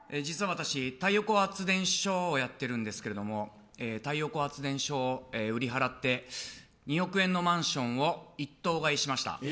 実は私、太陽光発電所をやってるんですが太陽光発電所を売り払って２億円のマンションを一棟買いしました。